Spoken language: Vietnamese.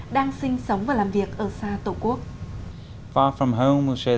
đang sinh sống và làm việc ở xa tổ quốc